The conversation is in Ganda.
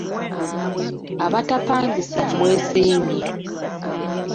Abatapangisa mwesiimye.